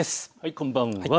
こんばんは。